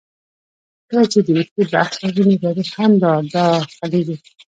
کله چې د ریښې بحث راځي؛ نو تاریخ هم را دا خلېږي.